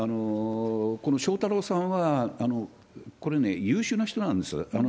この翔太郎さんは、これね、優秀な人なんです。